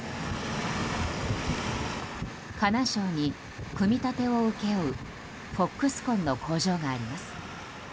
河南省に組み立てを請け負うフォックスコンの工場があります。